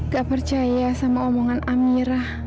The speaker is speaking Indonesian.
gak percaya sama omongan amirah